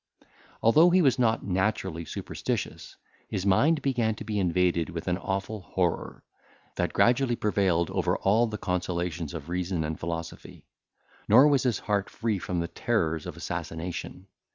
Although he was not naturally superstitious, his mind began to be invaded with an awful horror, that gradually prevailed over all the consolations of reason and philosophy; nor was his heart free from the terrors of assassination.